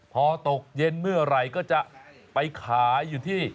พอตกเย็นเมื่อไหร่ก็จะไปขายอยู่ที่